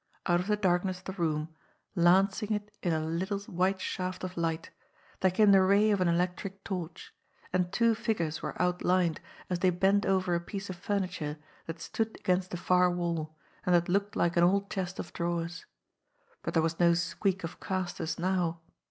Out of the darkness of the room, lancing it in a little white shaft of light, there came the ray of an electric torch, and two figures were outlined as they bent over a piece of furniture that stood against the far wall, and that looked like an old chest of drawers. But there was no squeak of casters now.